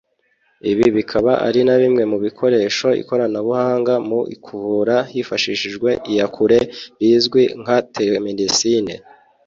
Ibi bikaba ari na bimwe mu bikoresha ikoranabuhanga mu kuvura hifashishijwe iya kure rizwi nka Telemedicine